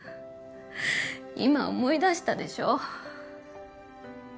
今思い出したでしょ。